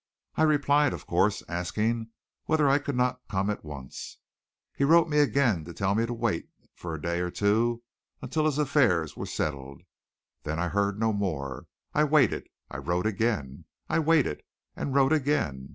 I replied, of course, asking whether I could not come at once. He wrote me again to tell me to wait for a day or two, until his affairs were settled. Then I heard no more. I waited. I wrote again. I waited, and wrote again.